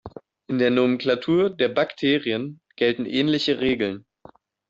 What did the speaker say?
In der Nomenklatur der Bakterien gelten ähnliche Regeln.